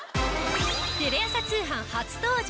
テレ朝通販初登場！